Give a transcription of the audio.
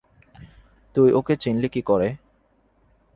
তুই ওকে চিনলি কি কোরে?